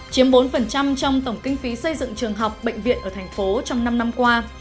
chiếm bốn trong tổng kinh phí xây dựng trường học bệnh viện ở tp hcm trong năm năm qua